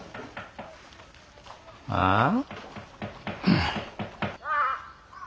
ああ？